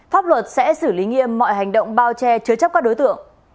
pháp luật sẽ xử lý nghiêm mọi hành động bao che chứa chấp các đối tượng